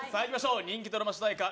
人気ドラマ主題歌